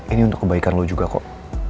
ini untuk kebaikan lo juga kok